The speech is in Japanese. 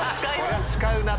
これは使うなと。